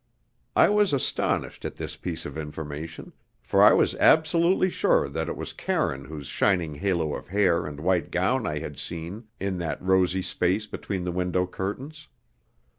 I was astonished at this piece of information, for I was absolutely sure that it was Karine whose shining halo of hair and white gown I had seen in that rosy space between the window curtains.